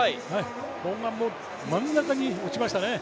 砲丸も真ん中に落ちましたね。